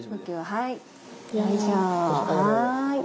はい。